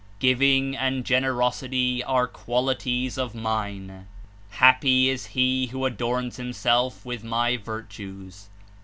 Giving and Generosity are qualities of mine. Happy is he who adorns himself ziith my Virtues.'